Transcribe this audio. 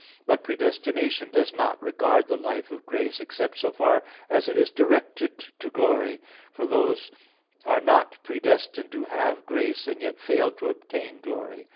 But predestination does not regard the life of grace, except so far as it is directed to glory; for those are not predestined who have grace and yet fail to obtain glory.